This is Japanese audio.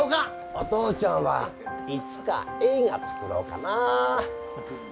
お父ちゃんはいつか映画作ろうかな。